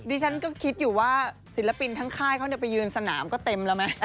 ฉันก็คิดอยู่ว่าศิลปินทั้งค่ายเขาไปยืนสนามก็เต็มแล้วไหม